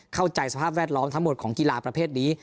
เข้าใจสภาพแวดล้อมทั้งหมดของกีฬาประเภทนี้